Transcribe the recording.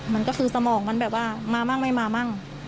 มันก็คือสมองมันแบบว่ามารึไม่มาน่ะ